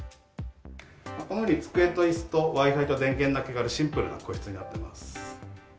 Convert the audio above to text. このように机といすとＷｉ−Ｆｉと電源だけがあるシンプルな個室になっています。